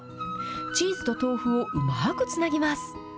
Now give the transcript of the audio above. チーズと豆腐をうまーくつなぎます。